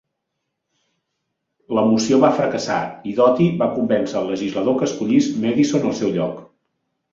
La moció va fracassar i Doty va convèncer el legislador que escollís Madison al seu lloc.